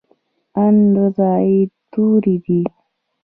ان زاید توري دي.